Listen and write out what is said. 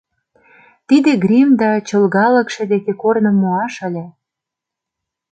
Тиде грим да чолгалыкше деке корным муаш ыле.